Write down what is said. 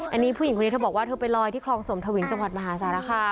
อันนี้ผู้หญิงคนนี้เธอบอกว่าเธอไปลอยที่คลองสมทวินจังหวัดมหาสารคาม